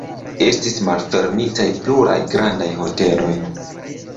Estis malfermitaj pluraj grandaj hoteloj.